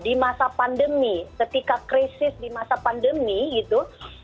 di masa pandemi ketika krisis di masa pandemi gitu